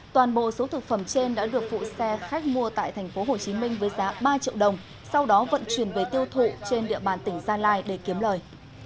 toàn bộ số thực phẩm trên đã được phụ xe khách mua tại tp hcm với giá ba triệu đồng sau đó vận chuyển về tiêu thụ trên địa bàn tỉnh gia lai để kiếm lời